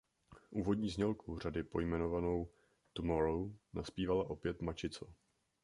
Úvodní znělku řady pojmenovanou „Tomorrow“ nazpívala opět Mačico.